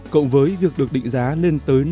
cộng với việc được định giá lên tới